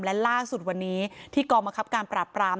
และล่าสุดวันนี้ที่กองบังคับการปราบปราม